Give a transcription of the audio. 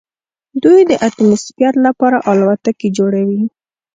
دوی د اتموسفیر لپاره الوتکې جوړوي.